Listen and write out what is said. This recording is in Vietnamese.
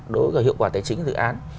đối với hiệu quả tài chính dự án